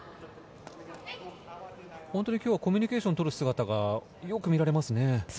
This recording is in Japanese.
本当に今日はコミュニケーションをとる姿がよく見られますね。